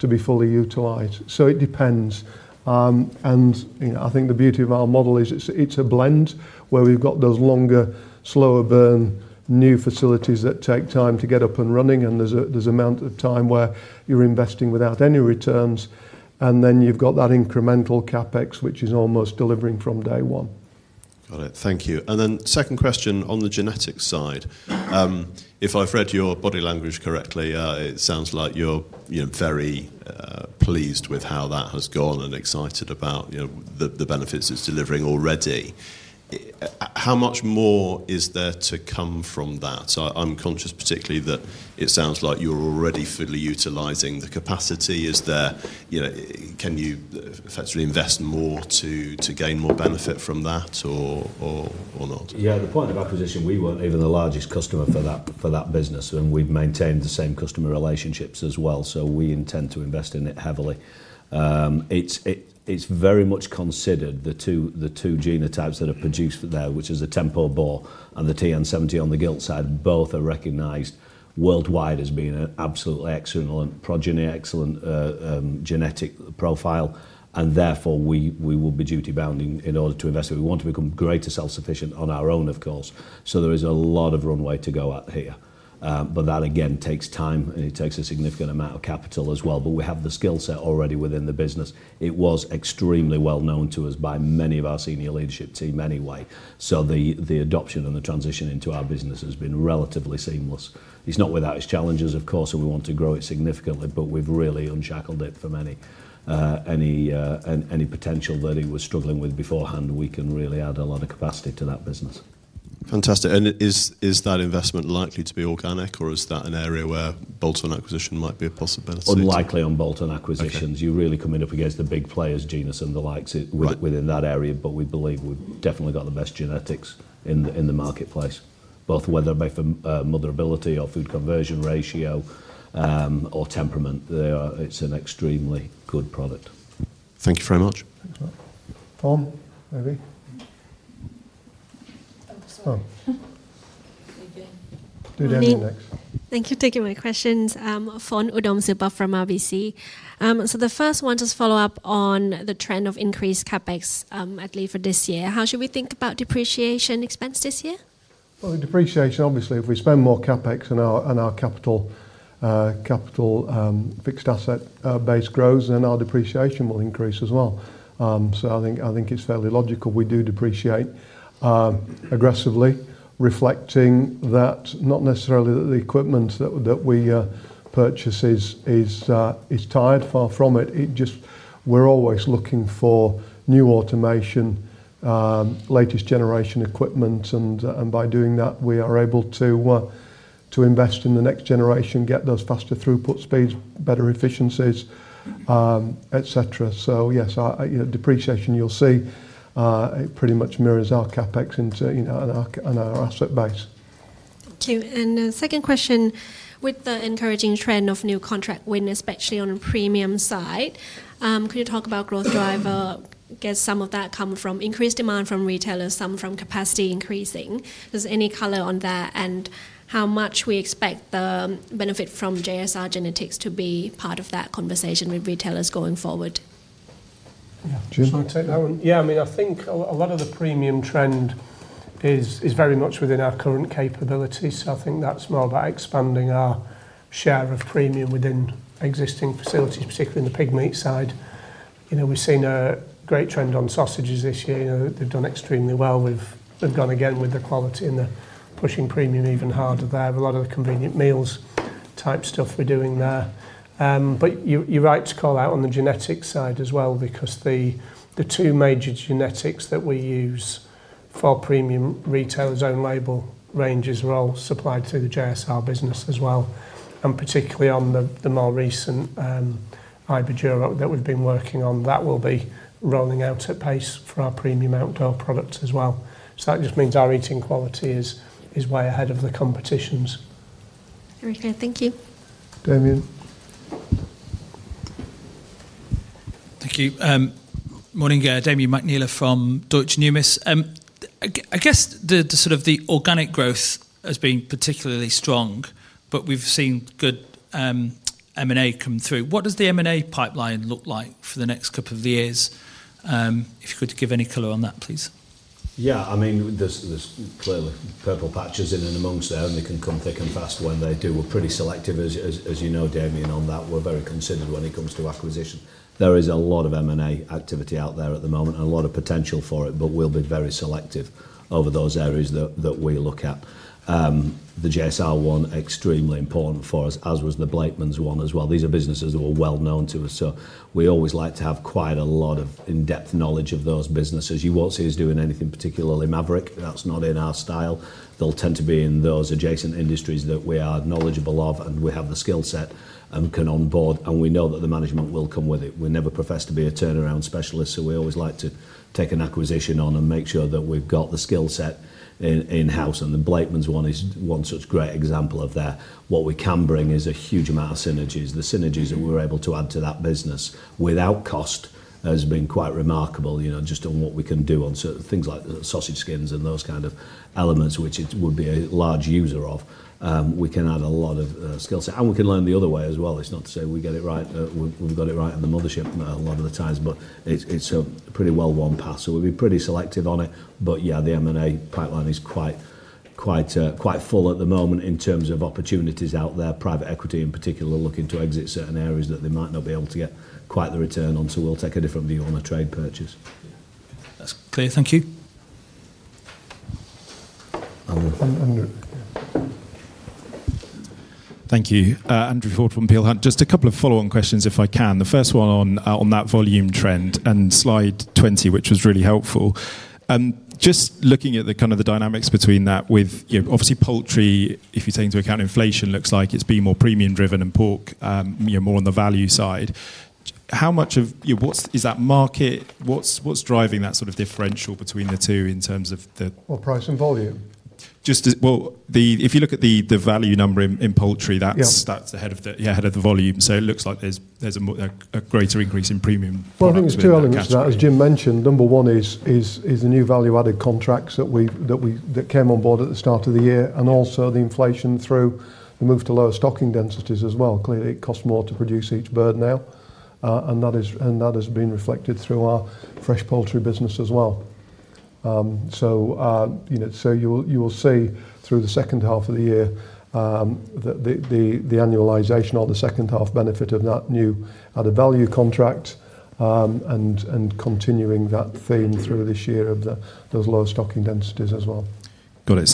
be fully utilized. It depends. I think the beauty of our model is it's a blend where we've got those longer, slower-burn, new facilities that take time to get up and running, and there's a mountain of time where you're investing without any returns, and then you've got that incremental CapEx, which is almost delivering from day one. Got it. Thank you. Second question on the genetic side. If I've read your body language correctly, it sounds like you're very pleased with how that has gone and excited about the benefits it's delivering already. How much more is there to come from that? I'm conscious particularly that it sounds like you're already fully utilising the capacity. Can you effectively invest more to gain more benefit from that or not? Yeah, at the point of acquisition, we were not even the largest customer for that business, and we have maintained the same customer relationships as well, so we intend to invest in it heavily. It is very much considered the two genotypes that are produced there, which is the Tempo Boar and the TN70 on the gilt side, both are recognized worldwide as being an absolutely excellent, progeny-excellent genetic profile, and therefore we will be duty-bound in order to invest. We want to become greater self-sufficient on our own, of course. There is a lot of runway to go out here. That, again, takes time, and it takes a significant amount of capital as well. We have the skill set already within the business. It was extremely well known to us by many of our senior leadership team anyway. The adoption and the transition into our business has been relatively seamless. It's not without its challenges, of course, and we want to grow it significantly, but we've really unshackled it for any potential that it was struggling with beforehand. We can really add a lot of capacity to that business. Fantastic. Is that investment likely to be organic, or is that an area where bolt-on acquisition might be a possibility? Unlikely on bolt-on acquisitions. You're really coming up against the big players Genus and the likes within that area, but we believe we've definitely got the best genetics in the marketplace, both whether by motherability or food conversion ratio or temperament. It's an extremely good product. Thank you very much. Thanks a lot. Fawn, maybe. Thank you for taking my questions. Fawn Odom Zuba from RBC. The first one, just to follow up on the trend of increased CapEx, at least for this year. How should we think about depreciation expense this year? Depreciation, obviously, if we spend more CapEx and our capital fixed asset base grows, then our depreciation will increase as well. I think it is fairly logical. We do depreciate aggressively, reflecting that not necessarily that the equipment that we purchase is tired, far from it. We are always looking for new automation, latest generation equipment, and by doing that, we are able to invest in the next generation, get those faster throughput speeds, better efficiencies, et cetera. Yes, depreciation, you will see, it pretty much mirrors our CapEx and our asset base. Thank you. Second question, with the encouraging trend of new contract win, especially on a premium side, could you talk about growth driver? I guess some of that comes from increased demand from retailers, some from capacity increasing. Does any color on that and how much we expect the benefit from JSR Genetics to be part of that conversation with retailers going forward? Yeah, Jim might take that one. Yeah, I mean, I think a lot of the premium trend is very much within our current capabilities. So I think that's more about expanding our share of premium within existing facilities, particularly in the pig meat side. We've seen a great trend on sausages this year. They've done extremely well. We've gone again with the quality and the pushing premium even harder there. A lot of the convenient meals type stuff we're doing there. You're right to call out on the genetic side as well, because the two major genetics that we use for premium retailers' own label ranges are all supplied through the JSR business as well. Particularly on the more recent Iberdura that we've been working on, that will be rolling out at pace for our premium outdoor products as well. That just means our eating quality is way ahead of the competition's. Very good. Thank you. Damian. Thank you. Morning, Damian Mcneela from Deutsche Numis. I guess sort of the organic growth has been particularly strong, but we've seen good M&A come through. What does the M&A pipeline look like for the next couple of years? If you could give any color on that, please. Yeah, I mean, there's clearly purple patches in and amongst there, and they can come thick and fast when they do. We're pretty selective, as you know, Damian, on that. We're very considerate when it comes to acquisition. There is a lot of M&A activity out there at the moment and a lot of potential for it, but we'll be very selective over those areas that we look at. The JSR one is extremely important for us, as was the Blakemans one as well. These are businesses that were well known to us, so we always like to have quite a lot of in-depth knowledge of those businesses. You won't see us doing anything particularly Maverick. That's not in our style. They'll tend to be in those adjacent industries that we are knowledgeable of and we have the skill set and can onboard, and we know that the management will come with it. We never profess to be a turnaround specialist, so we always like to take an acquisition on and make sure that we've got the skill set in-house. The Blakemans one is one such great example of that. What we can bring is a huge amount of synergies. The synergies that we're able to add to that business without cost has been quite remarkable, just on what we can do on certain things like sausage skins and those kind of elements, which we would be a large user of. We can add a lot of skill set, and we can learn the other way as well. It's not to say we get it right. We've got it right in the mothership a lot of the times, but it's a pretty well-worn path. We will be pretty selective on it. Yeah, the M&A pipeline is quite full at the moment in terms of opportunities out there. Private equity, in particular, are looking to exit certain areas that they might not be able to get quite the return on, so we'll take a different view on a trade purchase. That's clear. Thank you. Thank you. Andrew Ford from Peel Hunt, just a couple of follow-on questions, if I can. The first one on that volume trend and slide 20, which was really helpful. Just looking at the kind of dynamics between that with, obviously, poultry, if you take into account inflation, looks like it's been more premium-driven and pork more on the value side. How much of is that market? What's driving that sort of differential between the two in terms of the Price and volume? If you look at the value number in poultry, that's ahead of the volume. It looks like there's a greater increase in premium. I think there's two elements to that. As Jim mentioned, number one is the new value-added contracts that came on board at the start of the year, and also the inflation through the move to lower stocking densities as well. Clearly, it costs more to produce each bird now, and that has been reflected through our fresh poultry business as well. You will see through the second half of the year that the annualization or the second half benefit of that new added value contract and continuing that theme through this year of those lower stocking densities as well. Got it.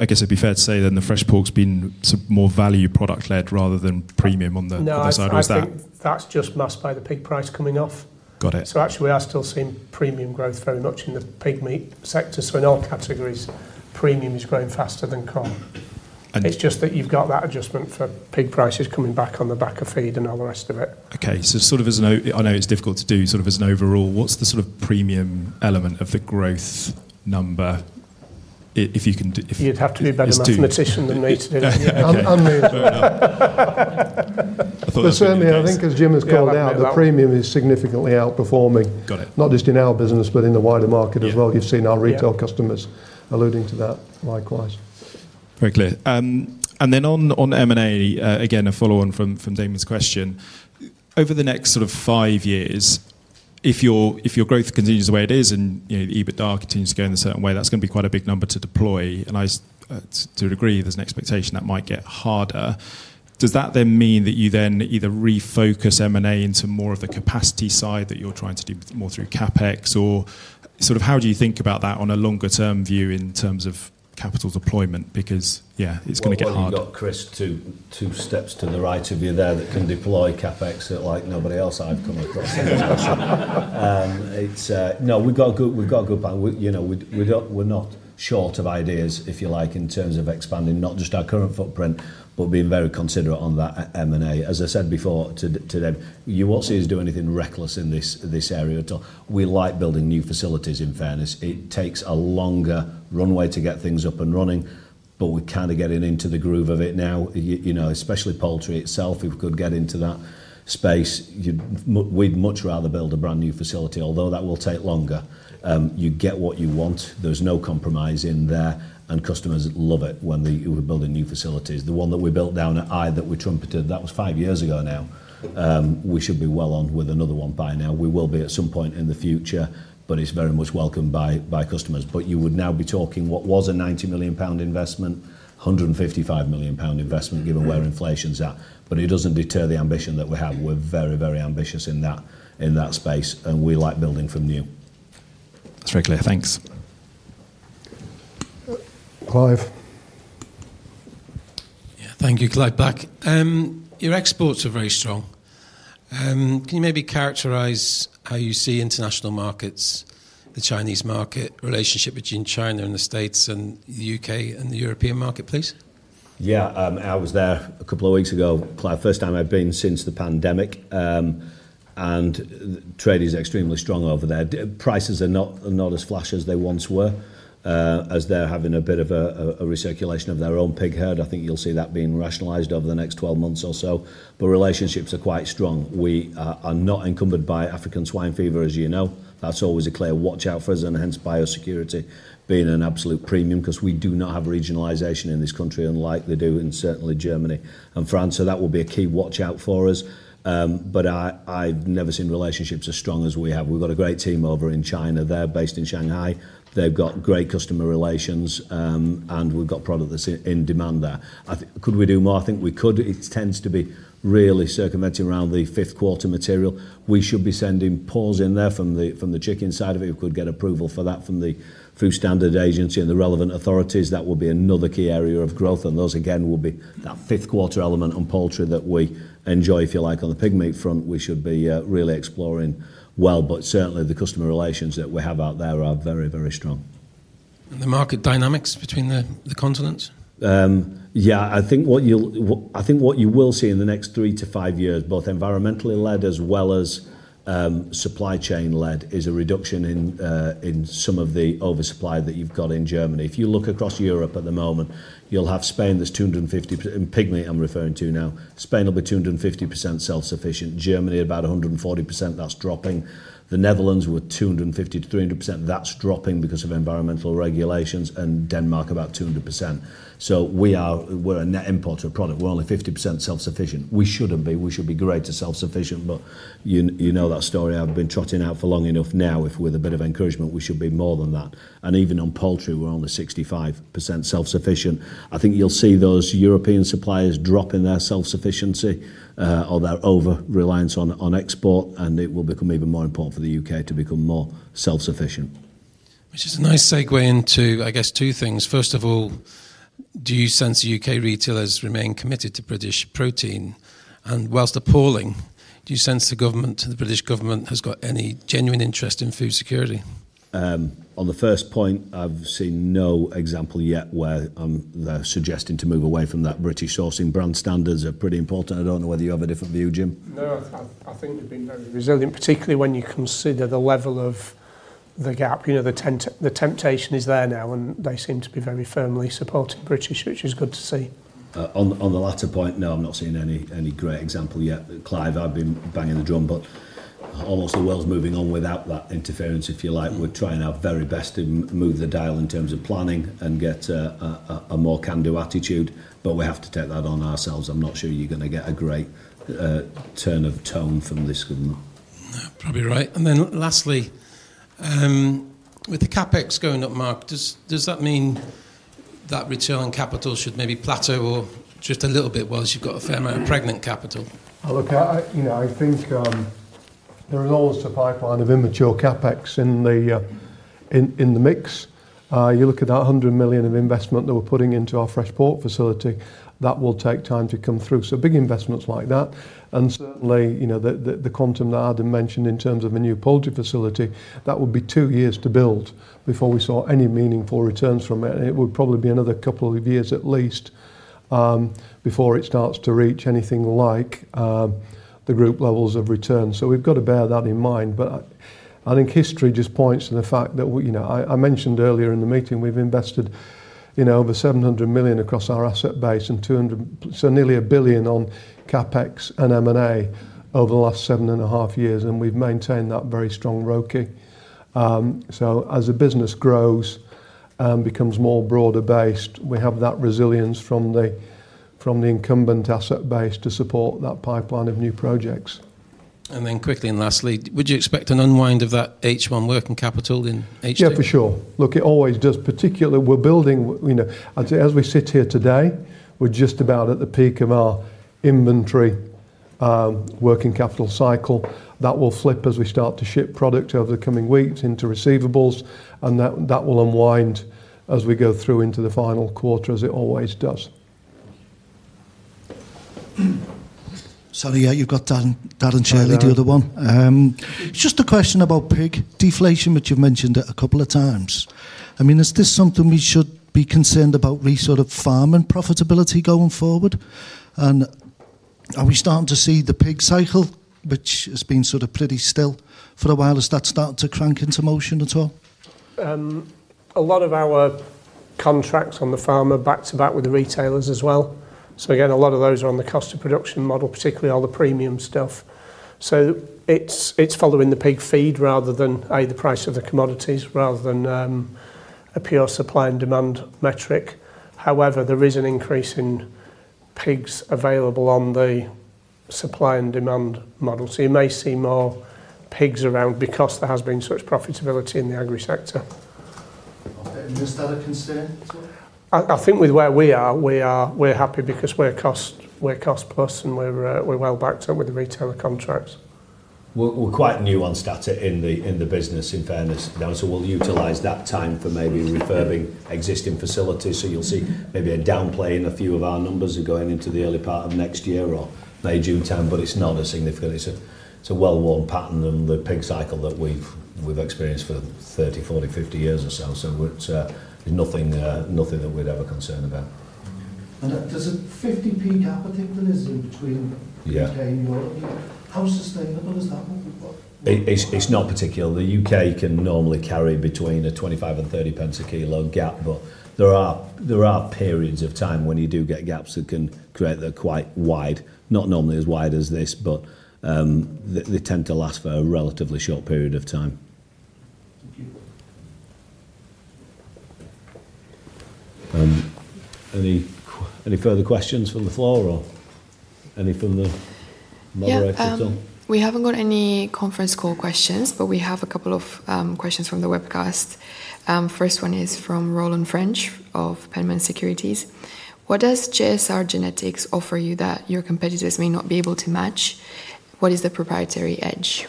I guess it'd be fair to say then the Fresh Pork's been more value product-led rather than premium on the side of that. No, I think that's just masked by the pig price coming off. Actually, we are still seeing premium growth very much in the pig meat sector. In all categories, premium is growing faster than core. It's just that you've got that adjustment for pig prices coming back on the back of feed and all the rest of it. Okay. As an overall, I know it's difficult to do, what's the sort of premium element of the growth number, if you can do? You'd have to be a better mathematician than me to do. Unmove. I think as Jim has called out, the premium is significantly outperforming, not just in our business, but in the wider market as well. You have seen our retail customers alluding to that likewise. Very clear. On M&A, again, a follow-on from Damien's question. Over the next sort of five years, if your growth continues the way it is and EBITDA continues to go in a certain way, that is going to be quite a big number to deploy. To a degree, there is an expectation that might get harder. Does that then mean that you either refocus M&A into more of the capacity side that you are trying to do more through CapEx, or how do you think about that on a longer-term view in terms of capital deployment? Because, yeah, it is going to get harder. I've got Chris two steps to the right of you there that can deploy CapEx like nobody else I've come across. No, we've got a good plan. We're not short of ideas, if you like, in terms of expanding not just our current footprint, but being very considerate on that M&A. As I said before to them, you won't see us do anything reckless in this area at all. We like building new facilities, in fairness. It takes a longer runway to get things up and running, but we're kind of getting into the groove of it now, especially poultry itself. If we could get into that space, we'd much rather build a brand new facility, although that will take longer. You get what you want. There's no compromise in there, and customers love it when we build new facilities. The one that we built down at Eye that we trumpeted, that was five years ago now. We should be well on with another one by now. We will be at some point in the future, but it is very much welcome by customers. You would now be talking what was a 90 million pound investment, 155 million pound investment, given where inflation is at. It does not deter the ambition that we have. We are very, very ambitious in that space, and we like building from new. That is very clear. Thanks. Clive. Yeah, thank you, Clive. Back. Your exports are very strong. Can you maybe characterize how you see international markets, the Chinese market, relationship between China and the States and the U.K. and the European market, please? Yeah, I was there a couple of weeks ago, Clive. First time I have been since the pandemic, and trade is extremely strong over there. Prices are not as flashy as they once were, as they're having a bit of a recirculation of their own pig herd. I think you'll see that being rationalized over the next 12 months or so. Relationships are quite strong. We are not encumbered by African swine fever, as you know. That's always a clear watch-out for us, and hence biosecurity being an absolute premium, because we do not have regionalization in this country unlike they do in certainly Germany and France. That will be a key watch-out for us. I've never seen relationships as strong as we have. We've got a great team over in China there, based in Shanghai. They've got great customer relations, and we've got product that's in demand there. Could we do more? I think we could. It tends to be really circumventing around the fifth quarter material. We should be sending pause in there from the chicken side of it. If we could get approval for that from the Food Standards Agency and the relevant authorities, that would be another key area of growth. Those, again, will be that fifth quarter element on poultry that we enjoy, if you like, on the pig meat front. We should be really exploring well, but certainly the customer relations that we have out there are very, very strong. The market dynamics between the continents? Yeah, I think what you will see in the next three to five years, both environmentally-led as well as supply chain-led, is a reduction in some of the oversupply that you've got in Germany. If you look across Europe at the moment, you'll have Spain; there's 250% in pig meat I'm referring to now. Spain will be 250% self-sufficient. Germany, about 140%. That's dropping. The Netherlands were 250%-300%. That's dropping because of environmental regulations, and Denmark about 200%. We're a net importer of product. We're only 50% self-sufficient. We shouldn't be. We should be greater self-sufficient, but you know that story. I've been trotting out for long enough now. If with a bit of encouragement, we should be more than that. Even on poultry, we're only 65% self-sufficient. I think you'll see those European suppliers dropping their self-sufficiency or their over-reliance on export, and it will become even more important for the U.K. to become more self-sufficient. Which is a nice segue into, I guess, two things. First of all, do you sense U.K. retailers remain committed to British protein? And whilst appalling, do you sense the British government has got any genuine interest in food security? On the first point, I've seen no example yet where they're suggesting to move away from that British sourcing. Brand standards are pretty important. I don't know whether you have a different view, Jim. No, I think they've been very resilient, particularly when you consider the level of the gap. The temptation is there now, and they seem to be very firmly supporting British, which is good to see. On the latter point, no, I'm not seeing any great example yet. Clive, I've been banging the drum, but almost the world's moving on without that interference, if you like. We're trying our very best to move the dial in terms of planning and get a more can-do attitude, but we have to take that on ourselves. I'm not sure you're going to get a great turn of tone from this government. Probably right. Lastly, with the CapEx going up, Mark, does that mean that return on capital should maybe plateau or just a little bit while you've got a fair amount of pregnant capital? I think there is always a pipeline of immature CapEx in the mix. You look at that 100 million of investment that we're putting into our Fresh Pork facility, that will take time to come through. Big investments like that, and certainly the quantum that Adam mentioned in terms of a new poultry facility, that would be two years to build before we saw any meaningful returns from it. It would probably be another couple of years at least before it starts to reach anything like the group levels of return. We've got to bear that in mind. I think history just points to the fact that I mentioned earlier in the meeting, we've invested in over 700 million across our asset base and nearly 1 billion on CapEx and M&A over the last seven and a half years, and we've maintained that very strong ROCE. As a business grows and becomes more broader-based, we have that resilience from the incumbent asset base to support that pipeline of new projects. Quickly and lastly, would you expect an unwind of that H1 working capital in H2? Yeah, for sure. Look, it always does, particularly we're building. As we sit here today, we're just about at the peak of our inventory working capital cycle. That will flip as we start to ship product over the coming weeks into receivables, and that will unwind as we go through into the final quarter, as it always does. Sorry, you've got Dad and Charlie, the other one. Just a question about pig deflation, which you've mentioned a couple of times. I mean, is this something we should be concerned about, sort of farm and profitability going forward? I mean, are we starting to see the pig cycle, which has been sort of pretty still for a while, has that started to crank into motion at all? A lot of our contracts on the farm are back to back with the retailers as well. A lot of those are on the cost of production model, particularly all the premium stuff. It is following the pig feed rather than the price of the commodities, rather than a pure supply and demand metric. However, there is an increase in pigs available on the supply and demand model. You may see more pigs around because there has been such profitability in the agri sector. Just out of concern? I think with where we are, we're happy because we're cost plus and we're well backed up with the retailer contracts. We're quite nuanced at it in the business, in fairness. We'll utilize that time for maybe refurbing existing facilities. You'll see maybe a downplay in a few of our numbers going into the early part of next year or May, June time, but it's not a significant issue. It's a well-worn pattern of the pig cycle that we've experienced for 30, 40, 50 years or so. There's nothing that we'd ever concern about. Does a 0.50 gap, I think, that is in between U.K. and Europe? How sustainable is that? It's not particular. The U.K. can normally carry between a 0.25-0.30 pence a kilo gap, but there are periods of time when you do get gaps that can create the quite wide, not normally as wide as this, but they tend to last for a relatively short period of time. Any further questions from the floor or any from the moderators at all? We have not got any conference call questions, but we have a couple of questions from the webcast. First one is from Roland French of Penman Securities. What does JSR Genetics offer you that your competitors may not be able to match? What is the proprietary edge?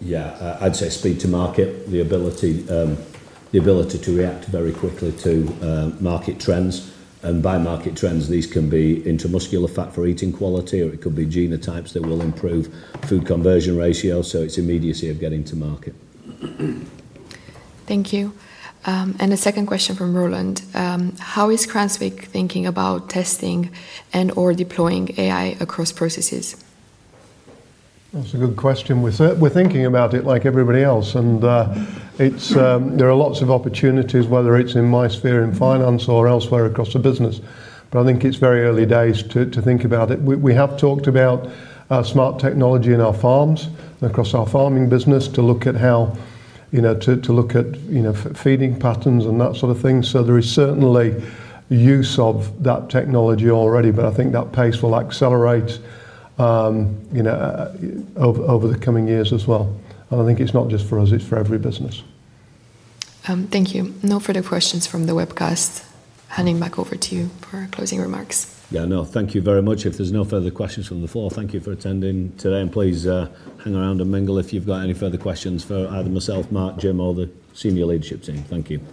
Yeah, I'd say speed to market, the ability to react very quickly to market trends. And by market trends, these can be intramuscular fat for eating quality, or it could be genotypes that will improve food conversion ratio. It is immediacy of getting to market. Thank you. A second question from Roland. How is Cranswick thinking about testing and/or deploying AI across processes? That is a good question. We are thinking about it like everybody else. There are lots of opportunities, whether it is in my sphere in finance or elsewhere across the business. I think it is very early days to think about it. We have talked about smart technology in our farms and across our farming business to look at how to look at feeding patterns and that sort of thing. There is certainly use of that technology already, but I think that pace will accelerate over the coming years as well. I think it is not just for us, it is for every business. Thank you. No further questions from the webcast. Handing back over to you for closing remarks. Thank you very much. If there's no further questions from the floor, thank you for attending today. Please hang around and mingle if you've got any further questions for Adam, myself, Mark, Jim, or the senior leadership team. Thank you.